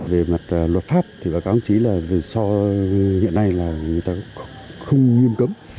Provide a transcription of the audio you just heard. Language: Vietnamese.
về mặt luật pháp thì báo cáo ông chí là do hiện nay là người ta không nghiêm cấm